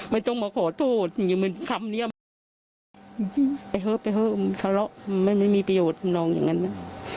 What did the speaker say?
ไม่ต้องมาขอโทษคำเนี่ยไปเฮิบทะเลาะไม่มีประโยชน์ทำนองอย่างนั้นนะ